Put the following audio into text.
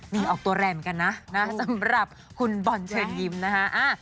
นี่ออกตัวแรงเหมือนกันนะสำหรับคุณบอลเชิญยิ้มนะคะ